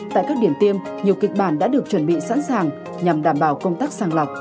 tại các điểm tiêm nhiều kịch bản đã được chuẩn bị sẵn sàng nhằm đảm bảo công tác sàng lọc